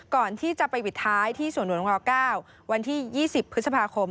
ก่อนที่จะไปปิดท้ายที่สวนหลวงง๙วันที่๒๐พฤษภาคม